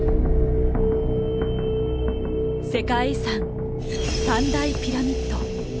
世界遺産三大ピラミッド。